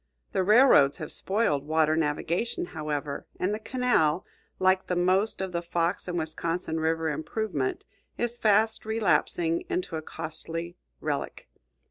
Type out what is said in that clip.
The railroads have spoiled water navigation, however; and the canal, like the most of the Fox and Wisconsin river improvement, is fast relapsing into a costly relic.